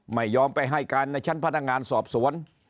ไม่ยอมไปให้การในชั้นพนักงานสอบสวน